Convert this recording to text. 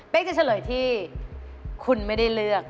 เป็นจะเฉลยที่คุณไม่ได้เลือก